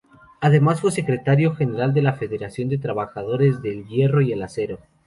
Además fue Secretario General de la Federación de Trabajadores del Hierro y el Acero.